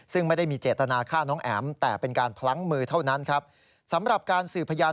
ซึ่งไม่ได้มีเจตนาฆ่าน้องแอ๋ม